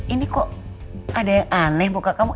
ini kok ada yang aneh buka kamu